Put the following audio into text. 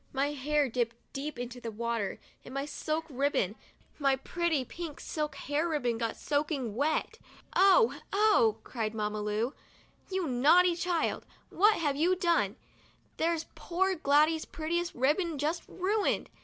My hair dipped deep into the water and my silk ribbon, my pretty pink silk hair ribbon, got soaking wet. " Oh ! Oh !' cried Mamma Lu, " you naughty child, what have you done? There's poor Gladys's prettiest ribbon just ruined